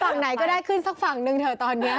ฝั่งไหนก็ได้ขึ้นสักฝั่งหนึ่งเถอะตอนนี้